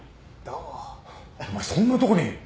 お前そんなとこに。